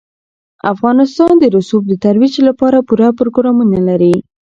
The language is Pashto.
افغانستان د رسوب د ترویج لپاره پوره پروګرامونه لري.